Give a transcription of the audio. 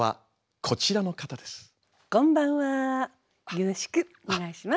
よろしくお願いします。